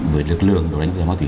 bởi lực lượng đối đánh tội phạm ma túy